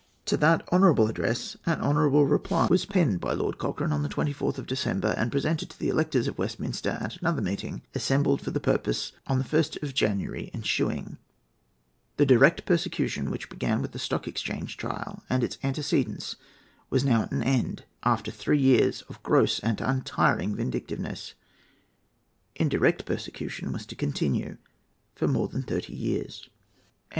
To that honourable address an honourable reply was penned by Lord Cochrane on the 24th of December, and presented to the electors of Westminster at another meeting assembled for the purpose on the 1st of January ensuing. The direct persecution which began with the Stock Exchange trial and its antecedents was now at an end, after three years of gross and untiring vindictiveness. Indirect persecution was to continue for more than thirty years. CHAPTER V.